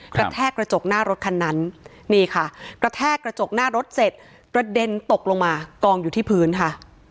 กระแทกกระจกหน้ารถคันนั้นนี่ค่ะกระแทกกระจกหน้ารถเสร็จกระเด็นตกลงมากองอยู่ที่พื้นค่ะ